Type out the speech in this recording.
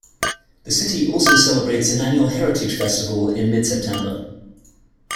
The city also celebrates an annual Heritage Festival in mid-September.